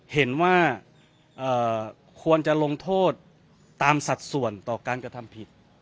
เห็นว่าควรจะลงโทษตามสัดส่วนต่อการกระทำผิด